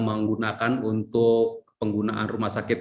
menggunakan untuk penggunaan rumah sakit